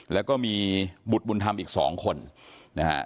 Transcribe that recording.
แล้วก็มีบุตรบุญธรรมอีกสองคนนะฮะ